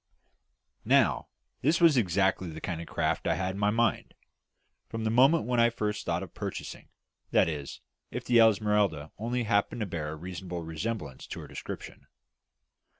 Now, this was exactly the kind of craft I had had in my mind, from the moment when I first thought of purchasing that is, if the Esmeralda only happened to bear a reasonable resemblance to her description.